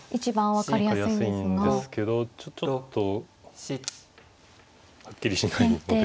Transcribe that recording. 分かりやすいんですけどちょっとはっきりしないので。